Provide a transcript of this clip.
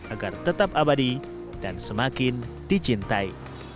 agar tetap abadi dan semakin dicintai